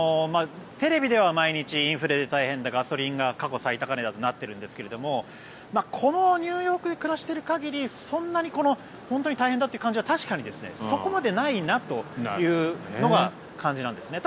テレビでは毎日、インフレで大変だガソリンが過去最高値だとなっているんですけどもこのニューヨークで暮らしている限りそんなに本当に大変だという感じは確かにそこまでないなという感じなんですね。